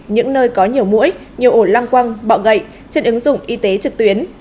những nơi có nhiều mũi nhiều ổ lăng quăng bọ gậy trên ứng dụng y tế trực tuyến